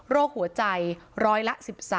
โรคหัวใจ๑๐๐ละ๑๓